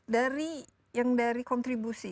dari yang dari kontribusi